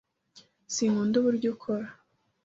Sinkunda uburyo ukora.